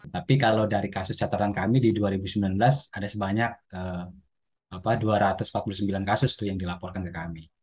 tapi kalau dari kasus catatan kami di dua ribu sembilan belas ada sebanyak dua ratus empat puluh sembilan kasus yang dilaporkan ke kami